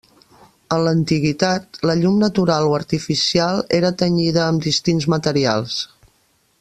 En l'antiguitat la llum natural o artificial era tenyida amb distints materials.